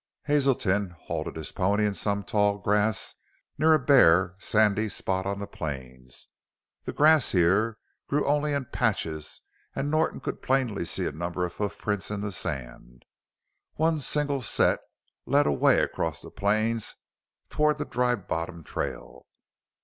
Hazelton halted his pony in some tall grass near a bare, sandy spot on the plains. The grass here grew only in patches and Norton could plainly see a number of hoof prints in the sand. One single set led away across the plains toward the Dry Bottom trail.